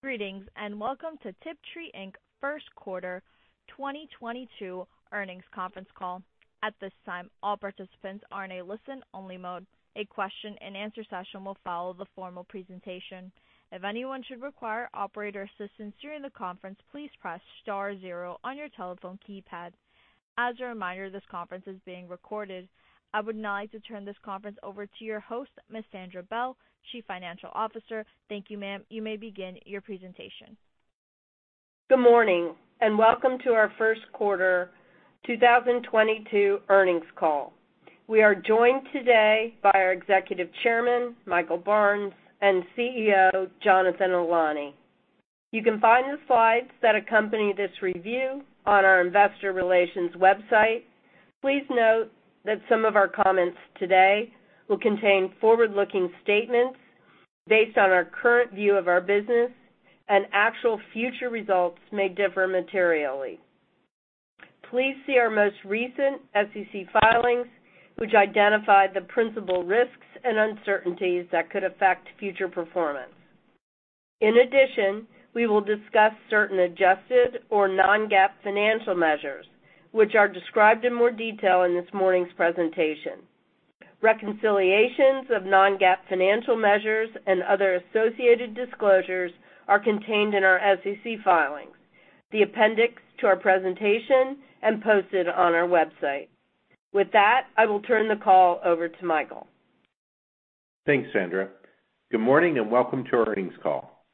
Greetings, and welcome to Tiptree Inc Q1 2022 earnings conference call. At this time, all participants are in a listen-only mode. A question-and-answer session will follow the formal presentation. If anyone should require operator assistance during the conference, please press star zero on your telephone keypad. As a reminder, this conference is being recorded. I would now like to turn this conference over to your host, Ms. Sandra Bell, Chief Financial Officer. Thank you, ma'am. You may begin your presentation. Good morning, and welcome to our Q1 2022 earnings call. We are joined today by our Executive Chairman, Michael Barnes, and CEO, Jonathan Ilany. You can find the slides that accompany this review on our investor relations website. Please note that some of our comments today will contain forward-looking statements based on our current view of our business and actual future results may differ materially. Please see our most recent SEC filings, which identify the principal risks and uncertainties that could affect future performance. In addition, we will discuss certain adjusted or non-GAAP financial measures, which are described in more detail in this morning's presentation. Reconciliations of non-GAAP financial measures and other associated disclosures are contained in our SEC filings, the appendix to our presentation, and posted on our website. With that, I will turn the call over to Michael. Thanks, Sandra. Good morning, and welcome to our earnings call.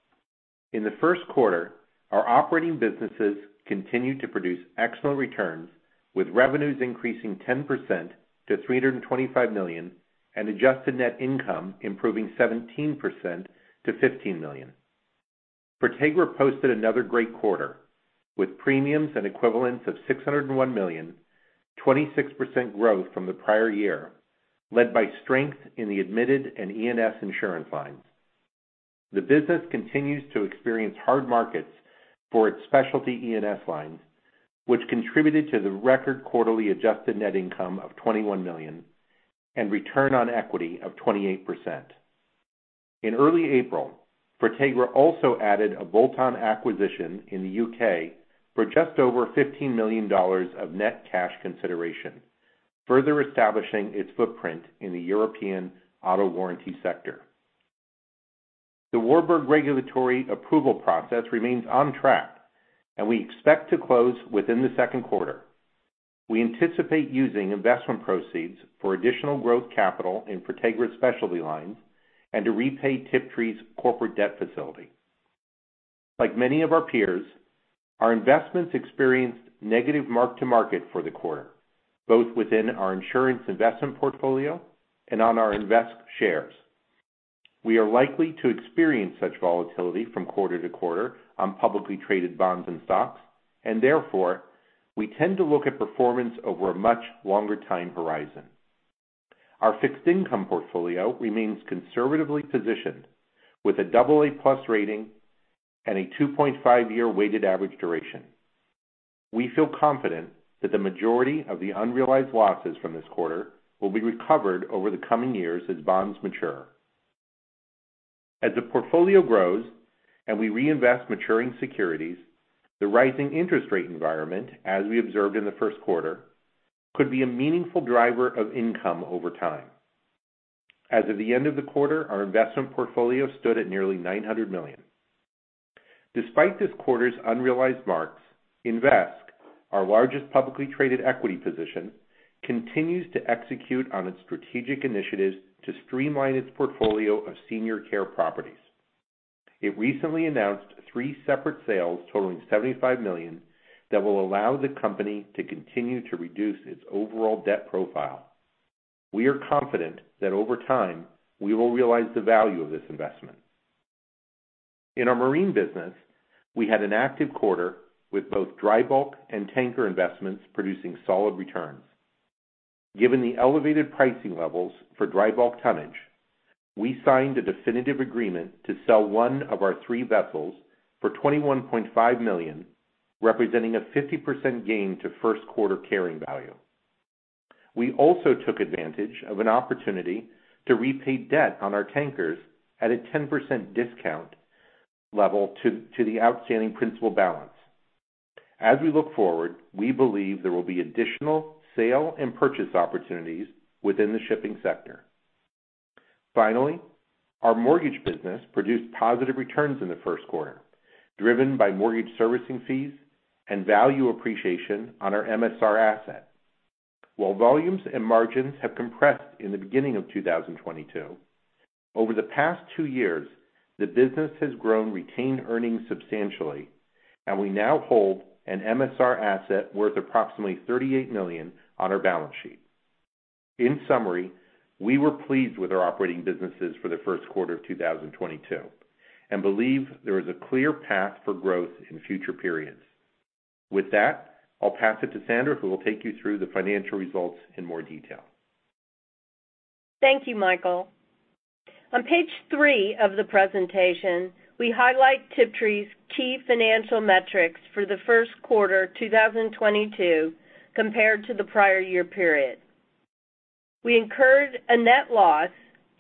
In the Q1, our operating businesses continued to produce excellent returns, with revenues increasing 10% to $325 million and adjusted net income improving 17% to $15 million. Fortegra posted another great quarter, with premiums and equivalents of $601 million, 26% growth from the prior year, led by strength in the admitted and E&S insurance lines. The business continues to experience hard markets for its specialty E&S lines, which contributed to the record quarterly adjusted net income of $21 million and return on equity of 28%. In early April, Fortegra also added a bolt-on acquisition in the U.K. for just over $15 million of net cash consideration, further establishing its footprint in the European auto warranty sector. The Warburg Pincus regulatory approval process remains on track and we expect to close within the Q2. We anticipate using investment proceeds for additional growth capital in Fortegra's specialty lines and to repay Tiptree's corporate debt facility. Like many of our peers, our investments experienced negative mark-to-market for the quarter, both within our insurance investment portfolio and on our Invesque shares. We are likely to experience such volatility from quarter-to-quarter on publicly traded bonds and stocks, and therefore, we tend to look at performance over a much longer time horizon. Our fixed income portfolio remains conservatively positioned with an AA+ rating and a 2.5-year weighted average duration. We feel confident that the majority of the unrealized losses from this quarter will be recovered over the coming years as bonds mature. As the portfolio grows and we reinvest maturing securities, the rising interest rate environment, as we observed in the Q1, could be a meaningful driver of income over time. As of the end of the quarter, our investment portfolio stood at nearly $900 million. Despite this quarter's unrealized marks, Invesque, our largest publicly traded equity position, continues to execute on its strategic initiatives to streamline its portfolio of senior care properties. It recently announced three separate sales totaling $75 million that will allow the company to continue to reduce its overall debt profile. We are confident that over time, we will realize the value of this investment. In our marine business, we had an active quarter with both dry bulk and tanker investments producing solid returns. Given the elevated pricing levels for dry bulk tonnage, we signed a definitive agreement to sell one of our three vessels for $21.5 million, representing a 50% gain to Q1 carrying value. We also took advantage of an opportunity to repay debt on our tankers at a 10% discount to the outstanding principal balance. As we look forward, we believe there will be additional sale and purchase opportunities within the shipping sector. Finally, our mortgage business produced positive returns in the Q1, driven by mortgage servicing fees and value appreciation on our MSR asset. While volumes and margins have compressed in the beginning of 2022, over the past two years, the business has grown retained earnings substantially, and we now hold an MSR asset worth approximately $38 million on our balance sheet. In summary, we were pleased with our operating businesses for the Q1 of 2022 and believe there is a clear path for growth in future periods. With that, I'll pass it to Sandra, who will take you through the financial results in more detail. Thank you, Michael. On page three of the presentation, we highlight Tiptree's key financial metrics for the Q1 2022 compared to the prior year period. We incurred a net loss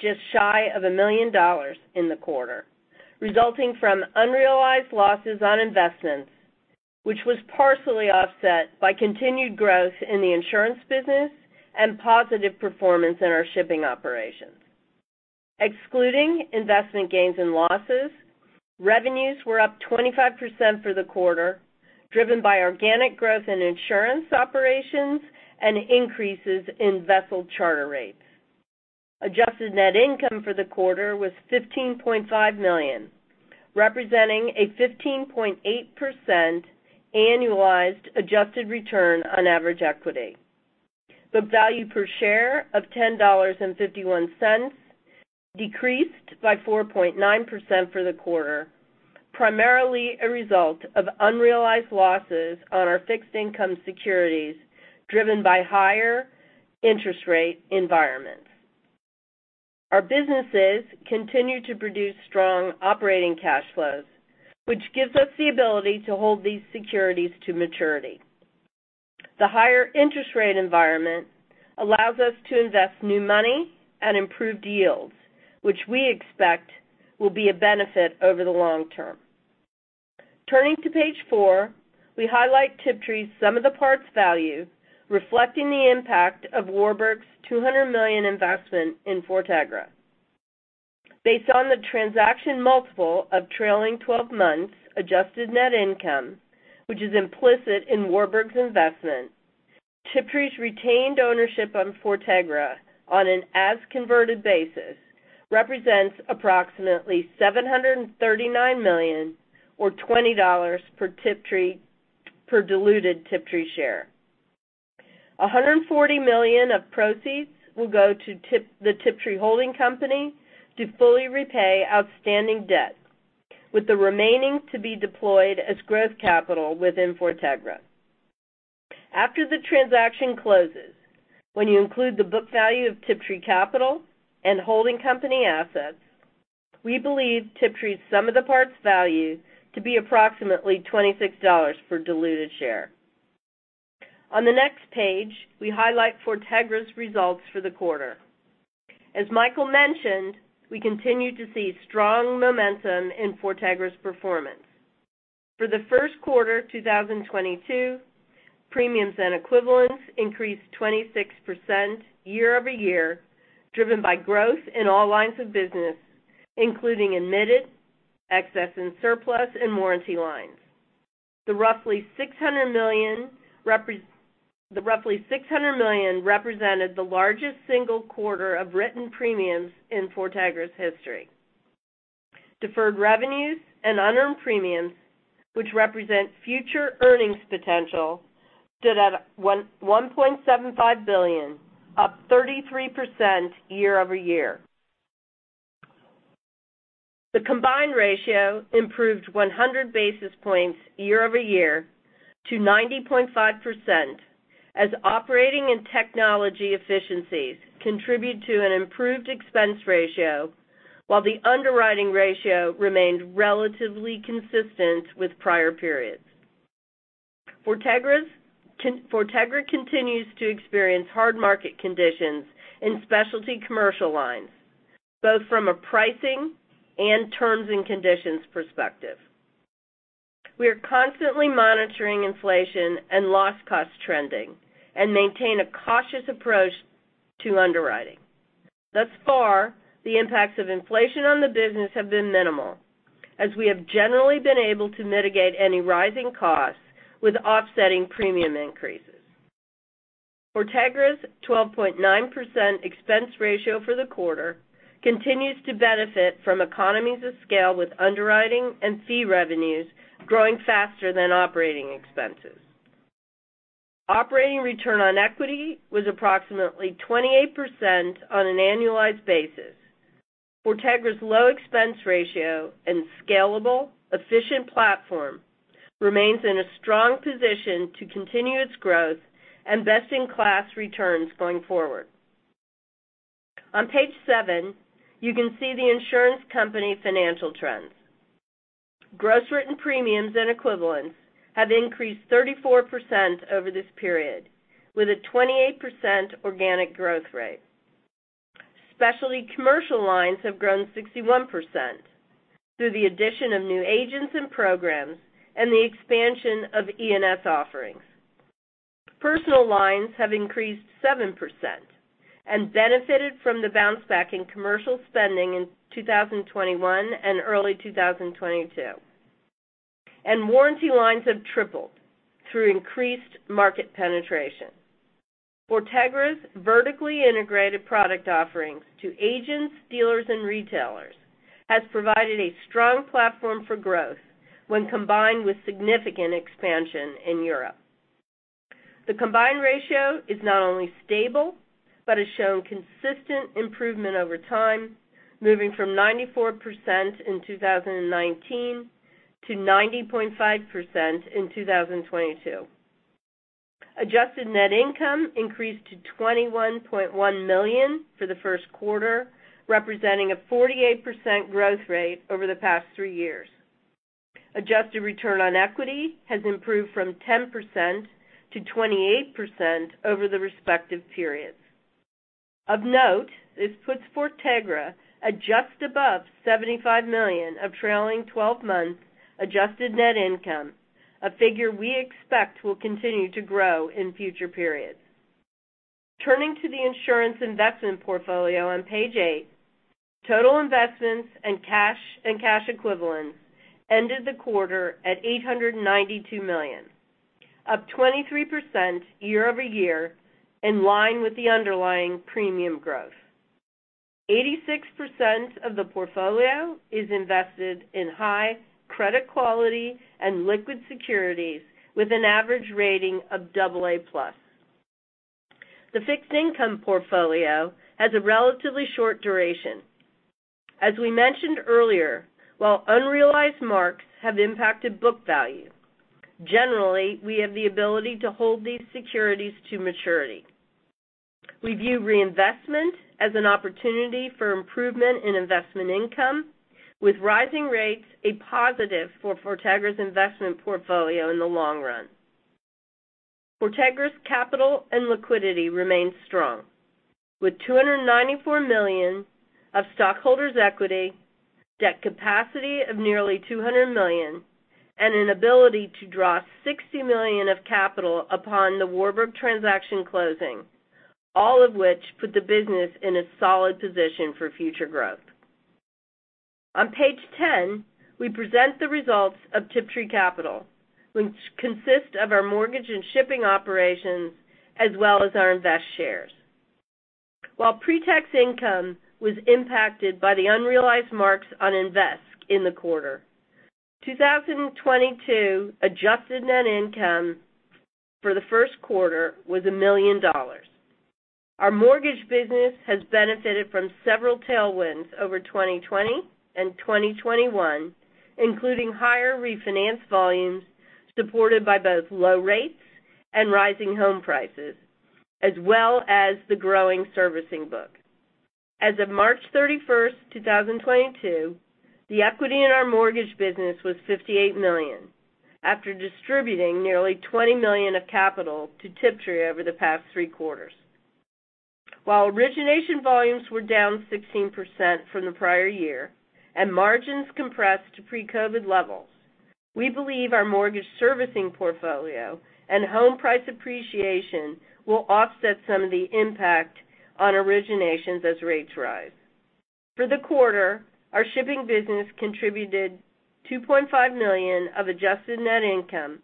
just shy of $1 million in the quarter, resulting from unrealized losses on investments, which was partially offset by continued growth in the insurance business and positive performance in our shipping operations. Excluding investment gains and losses, revenues were up 25% for the quarter, driven by organic growth in insurance operations and increases in vessel charter rates. Adjusted net income for the quarter was $15.5 million, representing a 15.8% annualized adjusted return on average equity. Book value per share of $10.51 decreased by 4.9% for the quarter, primarily a result of unrealized losses on our fixed income securities, driven by higher interest rate environments. Our businesses continue to produce strong operating cash flows, which gives us the ability to hold these securities to maturity. The higher interest rate environment allows us to invest new money at improved yields, which we expect will be a benefit over the long term. Turning to page four, we highlight Tiptree's sum of the parts value, reflecting the impact of Warburg's $200 million investment in Fortegra. Based on the transaction multiple of trailing 12 months adjusted net income, which is implicit in Warburg's investment, Tiptree's retained ownership on Fortegra on an as-converted basis represents approximately $739 million or $20 per diluted Tiptree share. $140 million of proceeds will go to the Tiptree holding company to fully repay outstanding debt, with the remaining to be deployed as growth capital within Fortegra. After the transaction closes, when you include the book value of Tiptree Capital and holding company assets, we believe Tiptree's sum of the parts value to be approximately $26 per diluted share. On the next page, we highlight Fortegra's results for the quarter. As Michael mentioned, we continue to see strong momentum in Fortegra's performance. For the Q1, 2022, premiums and equivalents increased 26% year-over-year, driven by growth in all lines of business, including admitted, excess and surplus, and warranty lines. The roughly $600 million represented the largest single quarter of written premiums in Fortegra's history. Deferred revenues and unearned premiums, which represent future earnings potential, stood at $1.75 billion, up 33% year-over-year. The combined ratio improved 100 basis points year-over-year to 90.5% as operating and technology efficiencies contribute to an improved expense ratio while the underwriting ratio remained relatively consistent with prior periods. Fortegra continues to experience hard market conditions in specialty commercial lines, both from a pricing and terms and conditions perspective. We are constantly monitoring inflation and loss cost trending and maintain a cautious approach to underwriting. Thus far, the impacts of inflation on the business have been minimal, as we have generally been able to mitigate any rising costs with offsetting premium increases. Fortegra's 12.9% expense ratio for the quarter continues to benefit from economies of scale with underwriting and fee revenues growing faster than operating expenses. Operating return on equity was approximately 28% on an annualized basis. Fortegra's low expense ratio and scalable, efficient platform remains in a strong position to continue its growth and best-in-class returns going forward. On page 7, you can see the insurance company financial trends. Gross written premiums and equivalents have increased 34% over this period, with a 28% organic growth rate. Specialty commercial lines have grown 61% through the addition of new agents and programs and the expansion of E&S offerings. Personal lines have increased 7% and benefited from the bounce back in commercial spending in 2021 and early 2022, and warranty lines have tripled through increased market penetration. Fortegra's vertically integrated product offerings to agents, dealers, and retailers has provided a strong platform for growth when combined with significant expansion in Europe. The combined ratio is not only stable but has shown consistent improvement over time, moving from 94% in 2019 to 90.5% in 2022. Adjusted net income increased to $21.1 million for the Q1, representing a 48% growth rate over the past three years. Adjusted return on equity has improved from 10%-28% over the respective periods. Of note, this puts Fortegra at just above $75 million of trailing 12 months adjusted net income, a figure we expect will continue to grow in future periods. Turning to the insurance investment portfolio on page eight. Total investments and cash and cash equivalents ended the quarter at $892 million, up 23% year-over-year, in line with the underlying premium growth. 86% of the portfolio is invested in high credit quality and liquid securities with an average rating of AA+. The fixed income portfolio has a relatively short duration. As we mentioned earlier, while unrealized marks have impacted book value, generally we have the ability to hold these securities to maturity. We view reinvestment as an opportunity for improvement in investment income, with rising rates a positive for Fortegra's investment portfolio in the long run. Fortegra's capital and liquidity remains strong, with $294 million of stockholders' equity, debt capacity of nearly $200 million, and an ability to draw $60 million of capital upon the Warburg transaction closing, all of which put the business in a solid position for future growth. On page 10, we present the results of Tiptree Capital, which consists of our mortgage and shipping operations as well as our Invesque shares. While pre-tax income was impacted by the unrealized marks on Invesque in the quarter, 2022 adjusted net income for the Q1 was $1 million. Our mortgage business has benefited from several tailwinds over 2020 and 2021, including higher refinance volumes supported by both low rates and rising home prices, as well as the growing servicing book. As of March 31, 2022, the equity in our mortgage business was $58 million, after distributing nearly $20 million of capital to Tiptree over the past three quarters. While origination volumes were down 16% from the prior year and margins compressed to pre-COVID levels, we believe our mortgage servicing portfolio and home price appreciation will offset some of the impact on originations as rates rise. For the quarter, our shipping business contributed $2.5 million of adjusted net income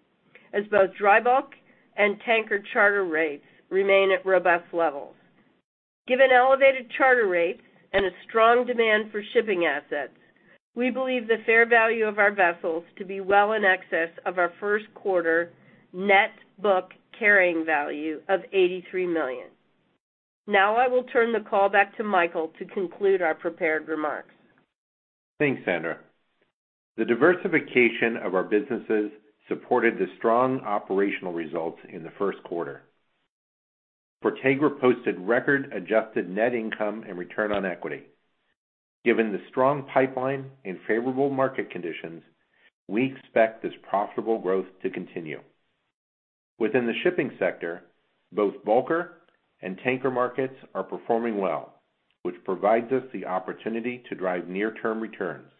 as both dry bulk and tanker charter rates remain at robust levels. Given elevated charter rates and a strong demand for shipping assets, we believe the fair value of our vessels to be well in excess of our Q1 net book carrying value of $83 million. Now I will turn the call back to Michael to conclude our prepared remarks. Thanks, Sandra. The diversification of our businesses supported the strong operational results in the Q1. Fortegra posted record adjusted net income and return on equity. Given the strong pipeline and favorable market conditions, we expect this profitable growth to continue. Within the shipping sector, both bulker and tanker markets are performing well, which provides us the opportunity to drive near-term returns.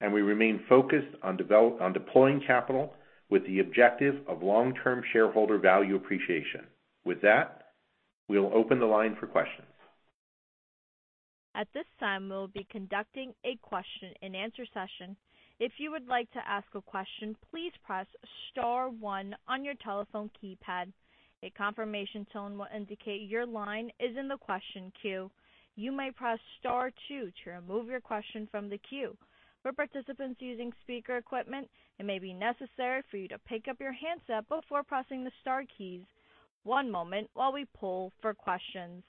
We remain focused on deploying capital with the objective of long-term shareholder value appreciation. With that, we'll open the line for questions. At this time, we will be conducting a question and answer session. If you would like to ask a question, please press star one on your telephone keypad. A confirmation tone will indicate your line is in the question queue. You may press star two to remove your question from the queue. For participants using speaker equipment, it may be necessary for you to pick up your handset before pressing the star keys. One moment while we poll for questions.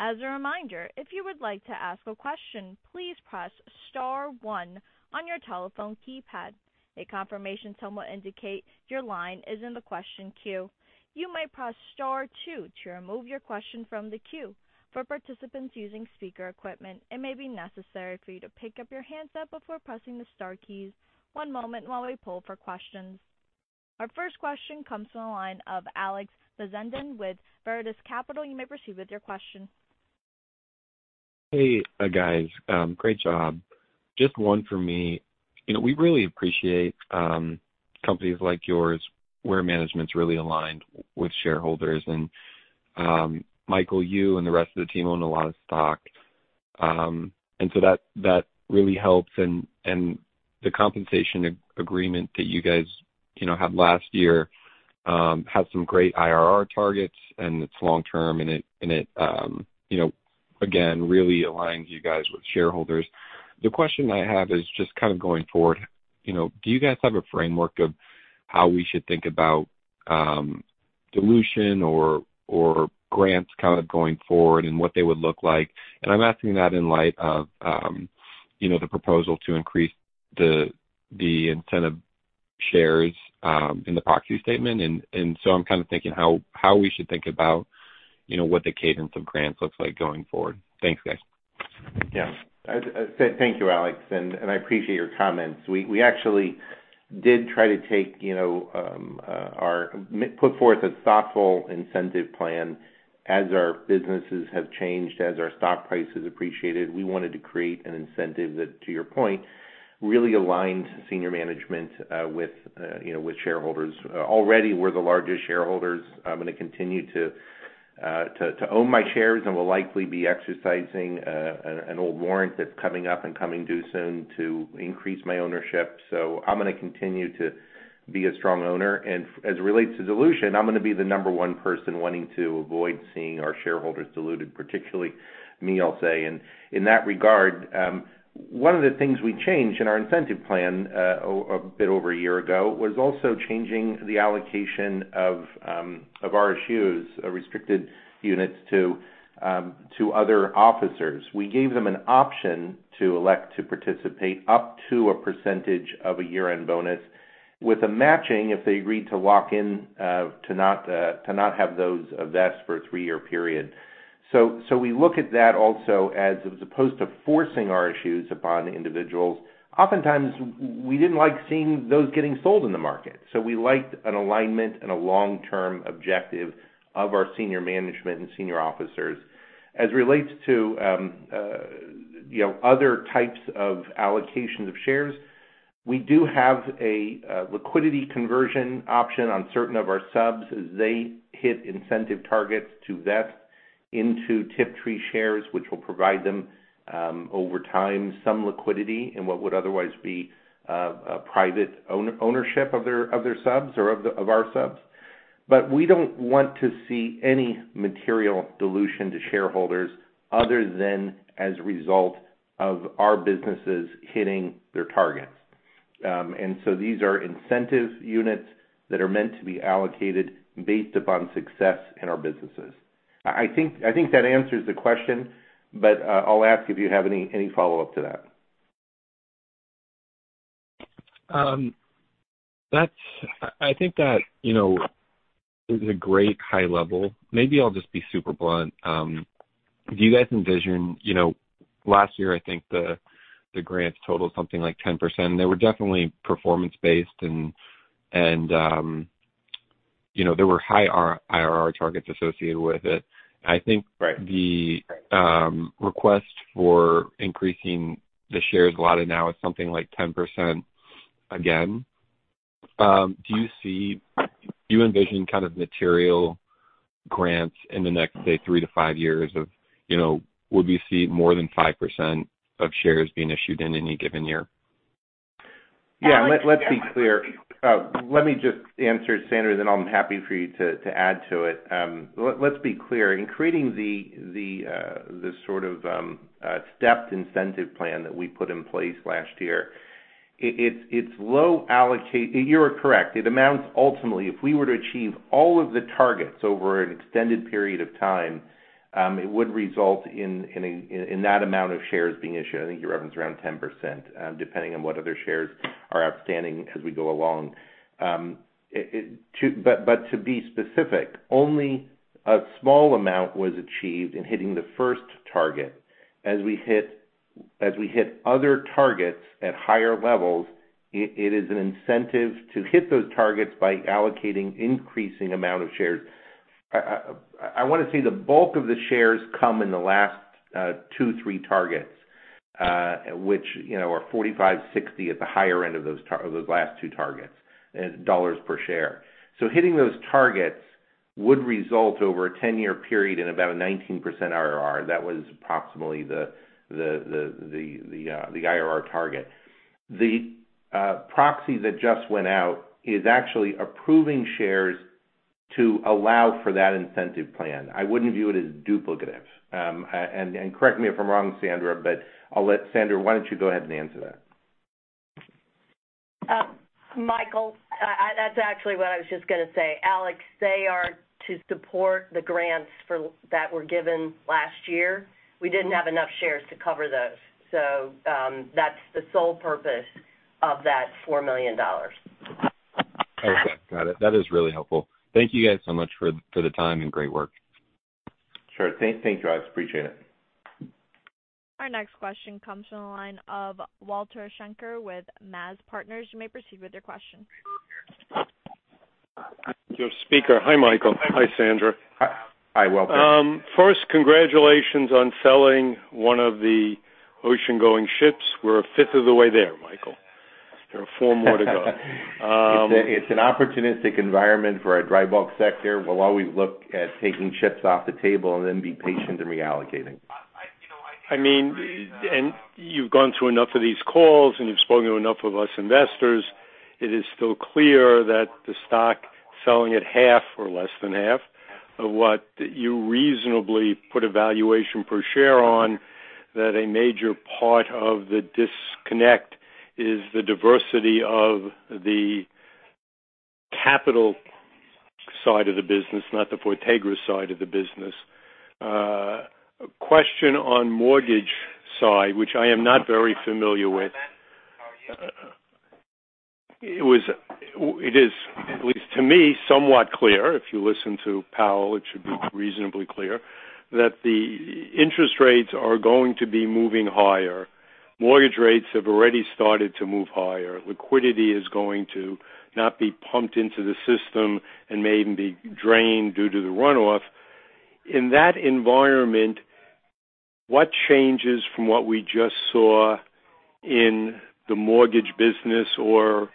As a reminder, if you would like to ask a question, please press star one on your telephone keypad. A confirmation tone will indicate your line is in the question queue. You may press star two to remove your question from the queue. For participants using speaker equipment, it may be necessary for you to pick up your handset before pressing the star keys. One moment while we pull for questions. Our first question comes from the line of Alex Veznedar with Veradace Capital. You may proceed with your question. Hey, guys, great job. Just one for me. You know, we really appreciate companies like yours where management's really aligned with shareholders. Michael, you and the rest of the team own a lot of stock, and so that really helps. The compensation agreement that you guys, you know, had last year has some great IRR targets, and it's long term, and it you know, again, really aligns you guys with shareholders. The question I have is just kind of going forward, you know, do you guys have a framework of how we should think about dilution or grants kind of going forward and what they would look like? I'm asking that in light of you know, the proposal to increase the incentive shares in the proxy statement. I'm kind of thinking how we should think about, you know, what the cadence of grants looks like going forward. Thanks, guys. Yeah. Thank you, Alex, and I appreciate your comments. We actually did try to put forth a thoughtful incentive plan as our businesses have changed, as our stock price has appreciated. We wanted to create an incentive that, to your point, really aligns senior management with, you know, with shareholders. Already, we're the largest shareholders. I'm gonna continue to own my shares and will likely be exercising an old warrant that's coming up and coming due soon to increase my ownership. So I'm gonna continue to be a strong owner. As it relates to dilution, I'm gonna be the number one person wanting to avoid seeing our shareholders diluted, particularly me, I'll say. In that regard, one of the things we changed in our incentive plan a bit over a year ago was also changing the allocation of RSU, a restricted units to other officers. We gave them an option to elect to participate up to a percentage of a year-end bonus with a matching if they agreed to lock in to not have those vest for a three-year period. We look at that also as opposed to forcing our issues upon individuals. Oftentimes, we didn't like seeing those getting sold in the market, so we liked an alignment and a long-term objective of our senior management and senior officers. As it relates to, you know, other types of allocations of shares, we do have a liquidity conversion option on certain of our subs as they hit incentive targets to vest into Tiptree shares, which will provide them, over time some liquidity in what would otherwise be a private ownership of their subs or of our subs. We don't want to see any material dilution to shareholders other than as a result of our businesses hitting their targets. These are incentive units that are meant to be allocated based upon success in our businesses. I think that answers the question, but I'll ask if you have any follow-up to that. That's I think that, you know, is a great high level. Maybe I'll just be super blunt. Do you guys envision, you know, last year I think the grants totaled something like 10%. They were definitely performance based and you know there were high IRR targets associated with it. I think Right. The request for increasing the share allotment now is something like 10% again. Do you envision kind of material grants in the next, say, three-five years? You know, would we see more than 5% of shares being issued in any given year? Yeah. Let's be clear. Let me just answer, Sandra, then I'm happy for you to add to it. Let's be clear. In creating the stepped incentive plan that we put in place last year, you are correct. It amounts ultimately, if we were to achieve all of the targets over an extended period of time, it would result in that amount of shares being issued. I think your revenue is around 10%, depending on what other shares are outstanding as we go along. To be specific, only a small amount was achieved in hitting the first target. As we hit other targets at higher levels, it is an incentive to hit those targets by allocating increasing amount of shares. I wanna say the bulk of the shares come in the last two, three targets, which, you know, are $45, $60 at the higher end of those of those last two targets, dollars per share. Hitting those targets would result over a 10-year period in about a 19% IRR. That was approximately the IRR target. The proxy that just went out is actually approving shares to allow for that incentive plan. I wouldn't view it as duplicative. And correct me if I'm wrong, Sandra, but I'll let Sandra, why don't you go ahead and answer that? Michael, that's actually what I was just gonna say. Alex, they are to support the grants that were given last year. We didn't have enough shares to cover those, so that's the sole purpose of that $4 million. Okay, got it. That is really helpful. Thank you guys so much for the time, and great work. Sure. Thanks, Alex. Appreciate it. Our next question comes from the line of Walter Schenker with MAZ Partners. You may proceed with your question. Hi, Michael. Hi, Sandra. Hi, Walter. First, congratulations on selling one of the ocean-going ships. We're a fifth of the way there, Michael. There are four more to go. It's an opportunistic environment for our dry bulk sector. We'll always look at taking ships off the table and then be patient in reallocating. I mean, you've gone through enough of these calls, and you've spoken to enough of us investors. It is still clear that the stock selling at half or less than half of what you reasonably put a valuation per share on, that a major part of the disconnect is the diversity of the Capital side of the business, not the Fortegra side of the business. A question on mortgage side, which I am not very familiar with. It is, at least to me, somewhat clear. If you listen to Powell, it should be reasonably clear, that the interest rates are going to be moving higher. Mortgage rates have already started to move higher. Liquidity is going to not be pumped into the system and may even be drained due to the runoff. In that environment, what changes from what we just saw in the mortgage business or,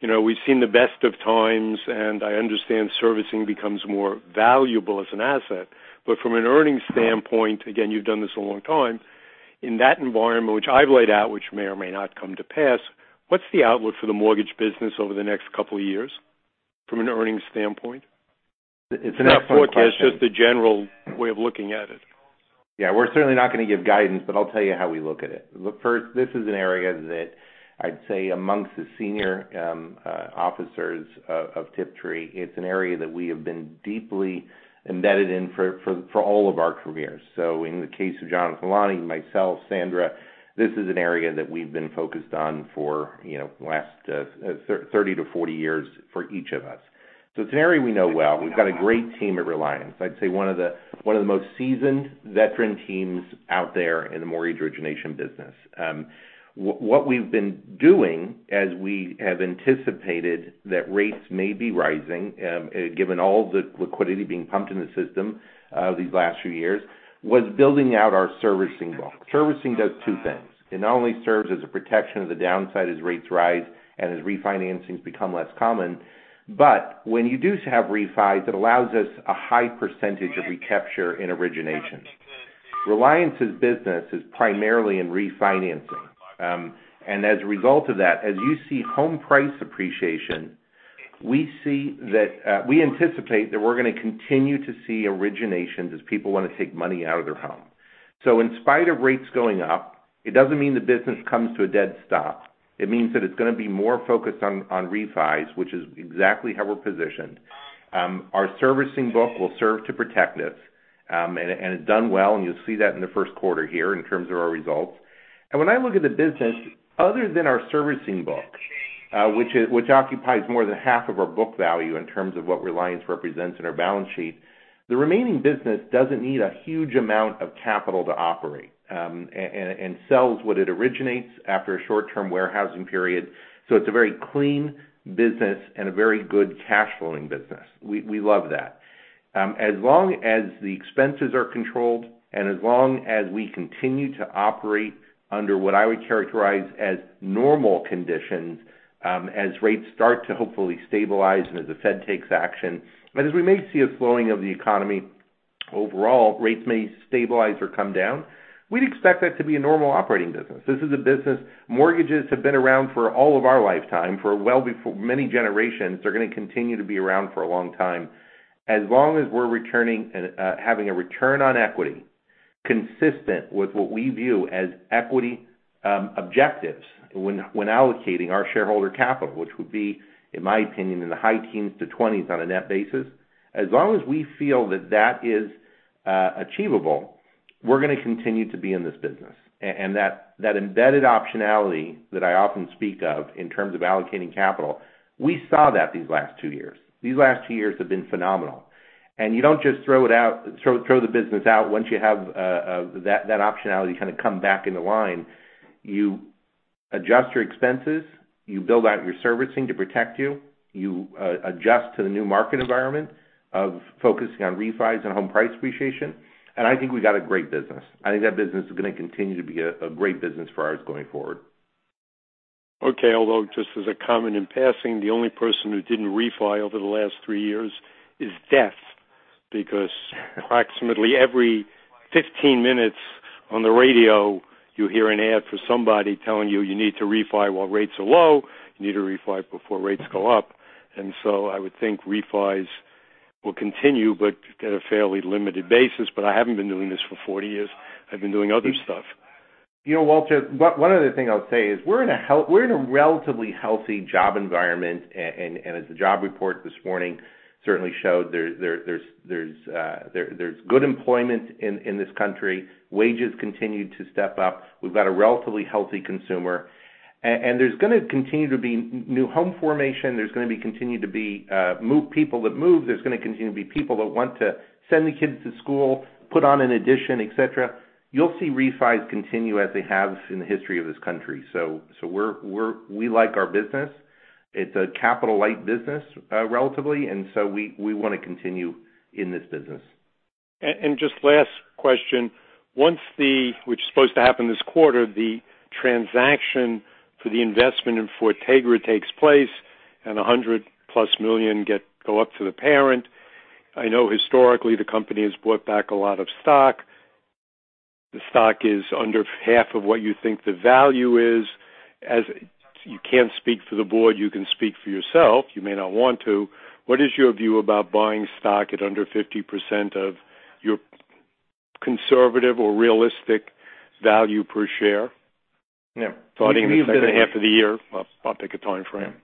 you know, we've seen the best of times, and I understand servicing becomes more valuable as an asset. But from an earnings standpoint, again, you've done this a long time, in that environment which I've laid out, which may or may not come to pass, what's the outlook for the mortgage business over the next couple of years from an earnings standpoint? It's not a forecast, just a general way of looking at it. Yeah. We're certainly not going to give guidance, but I'll tell you how we look at it. Look, first, this is an area that I'd say amongst the senior officers of Tiptree. It's an area that we have been deeply embedded in for all of our careers. In the case of Jonathan, Lonnie, myself, Sandra, this is an area that we've been focused on for, you know, last 30-40 years for each of us. It's an area we know well. We've got a great team at Reliance. I'd say one of the most seasoned veteran teams out there in the mortgage origination business. What we've been doing as we have anticipated that rates may be rising, given all the liquidity being pumped in the system these last few years, was building out our servicing book. Servicing does two things. It not only serves as a protection of the downside as rates rise and as refinancings become less common, but when you do have refis, it allows us a high percentage of recapture in origination. Reliance's business is primarily in refinancing. As a result of that, as you see home price appreciation, we see that we anticipate that we're gonna continue to see originations as people wanna take money out of their home. In spite of rates going up, it doesn't mean the business comes to a dead stop. It means that it's gonna be more focused on refis, which is exactly how we're positioned. Our servicing book will serve to protect us, and it's done well, and you'll see that in the Q1 here in terms of our results. When I look at the business, other than our servicing book, which occupies more than half of our book value in terms of what Reliance represents in our balance sheet, the remaining business doesn't need a huge amount of capital to operate, and sells what it originates after a short-term warehousing period. It's a very clean business and a very good cash flowing business. We love that. As long as the expenses are controlled and as long as we continue to operate under what I would characterize as normal conditions, as rates start to hopefully stabilize and as the Fed takes action, and as we may see a slowing of the economy overall, rates may stabilize or come down, we'd expect that to be a normal operating business. This is a business. Mortgages have been around for all of our lifetime, for well before many generations. They're gonna continue to be around for a long time. As long as we're returning and, having a return on equity consistent with what we view as equity, objectives when allocating our shareholder capital, which would be, in my opinion, in the high teens to twenties on a net basis. As long as we feel that that is achievable, we're gonna continue to be in this business. That embedded optionality that I often speak of in terms of allocating capital, we saw that these last two years. These last two years have been phenomenal. You don't just throw the business out once you have that optionality kinda come back into line. You adjust your expenses. You build out your servicing to protect you. You adjust to the new market environment of focusing on refis and home price appreciation. I think we got a great business. I think that business is gonna continue to be a great business for us going forward. Okay. Although just as a comment in passing, the only person who didn't refi over the last three years is death, because approximately every 15 minutes on the radio, you hear an ad for somebody telling you you need to refi while rates are low, you need to refi before rates go up. I would think refis will continue, but at a fairly limited basis. I haven't been doing this for 40 years. I've been doing other stuff. You know, Walter, one other thing I'll say is we're in a relatively healthy job environment. And as the job report this morning certainly showed, there's good employment in this country. Wages continued to step up. We've got a relatively healthy consumer. And there's gonna continue to be new home formation. There's gonna continue to be people that move. There's gonna continue to be people that want to send the kids to school, put on an addition, et cetera. You'll see refis continue as they have in the history of this country. So we like our business. It's a capital light business, relatively, and so we wanna continue in this business. Just last question. Once the transaction for the investment in Fortegra takes place and $100+ million go up to the parent, which is supposed to happen this quarter. I know historically the company has bought back a lot of stock. The stock is under half of what you think the value is. As you can't speak for the board, you can speak for yourself. You may not want to. What is your view about buying stock at under 50% of your conservative or realistic value per share? Yeah. Starting in the H2 of the year. I'll pick a timeframe.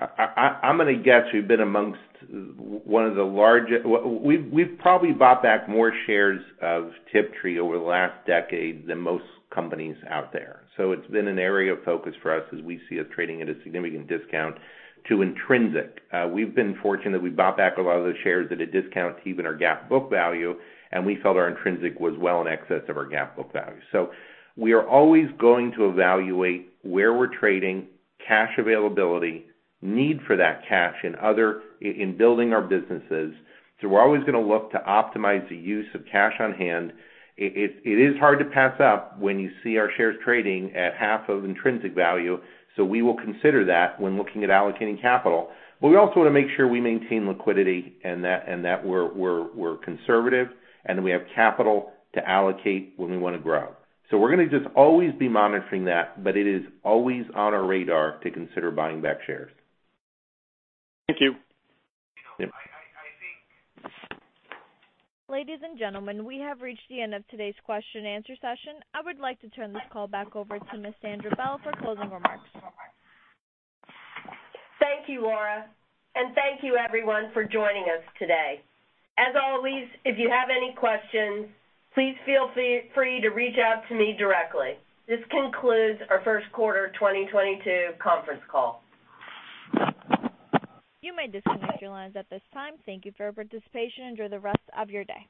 I'm gonna guess we've been amongst one of the largest. We've probably bought back more shares of Tiptree over the last decade than most companies out there. It's been an area of focus for us as we see us trading at a significant discount to intrinsic. We've been fortunate. We bought back a lot of those shares at a discount to even our GAAP book value, and we felt our intrinsic was well in excess of our GAAP book value. We are always going to evaluate where we're trading, cash availability, need for that cash in building our businesses. We're always gonna look to optimize the use of cash on hand. It is hard to pass up when you see our shares trading at half of intrinsic value. We will consider that when looking at allocating capital. We also wanna make sure we maintain liquidity and that we're conservative, and we have capital to allocate when we wanna grow. We're gonna just always be monitoring that, but it is always on our radar to consider buying back shares. Thank you. Yeah. Ladies and gentlemen, we have reached the end of today's question and answer session. I would like to turn this call back over to Ms. Sandra Bell for closing remarks. Thank you, Laura. Thank you everyone for joining us today. As always, if you have any questions, please feel free to reach out to me directly. This concludes our Q1 2022 conference call. You may disconnect your lines at this time. Thank you for your participation. Enjoy the rest of your day.